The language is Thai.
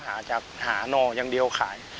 ชาวบ้านหาหน่อยังเดียวขาย